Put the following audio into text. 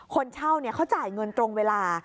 คนเช่าเขาจ่ายเงินตรงเวลา